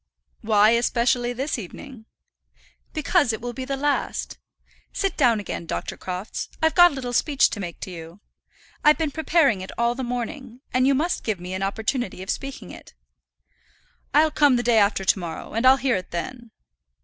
"Why especially this evening?" "Because it will be the last. Sit down again, Dr. Crofts. I've got a little speech to make to you. I've been preparing it all the morning, and you must give me an opportunity of speaking it." "I'll come the day after to morrow, and I'll hear it then."